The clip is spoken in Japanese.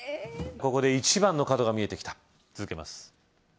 ここで１番の角が見えてきた続けます